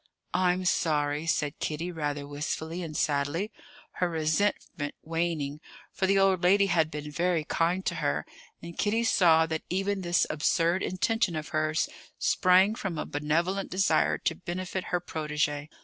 "I'm sorry," said Kitty, rather wistfully and sadly, her resentment waning; for the old lady had been very kind to her, and Kitty saw that even this absurd intention of hers sprang from a benevolent desire to benefit her protégée.